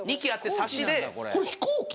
これ飛行機？